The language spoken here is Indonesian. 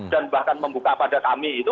dan bahkan membuka pada kami itu